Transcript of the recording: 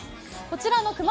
こちらの熊